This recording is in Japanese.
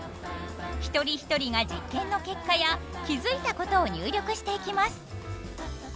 一人一人が実験の結果や気付いたことを入力していきます。